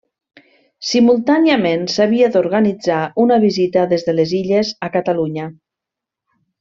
Simultàniament s'havia d'organitzar una visita des de les illes a Catalunya.